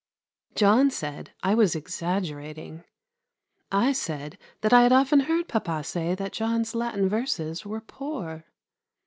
John said I was exaggerating. I said that I had often heard Papa say that John's Latin verses were poor.